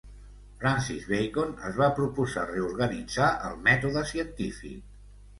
Francis Bacon es va proposar reorganitzar el mètode científic.